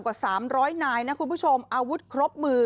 กลุ่มน้ำเบิร์ดเข้ามาร้านแล้ว